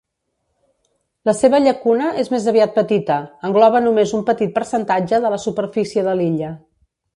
La seva llacuna és més aviat petita, engloba només un petit percentatge de la superfície de l'illa.